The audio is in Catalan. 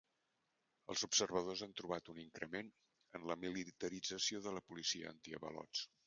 Els observadors han trobat un increment en la militarització de la policia antiavalots.